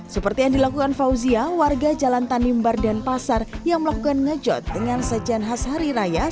seperti yang dilakukan fauzia warga jalan tanimbar dan pasar yang melakukan ngejot dengan sejian khas hari raya seperti telur gulai kambing opor dan lontok